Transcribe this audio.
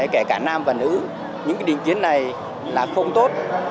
kể cả nam và nữ những định kiến này là không tốt